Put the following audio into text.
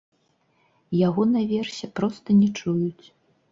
Яго наверсе проста не чуюць.